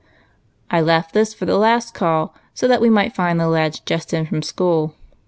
"I left this for the last call, so that we might find the lads just in from school.